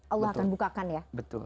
allah akan bukakan ya